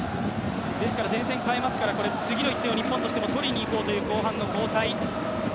ですから前線かえますから次の一手を日本としても取りに行こうという後半の交代。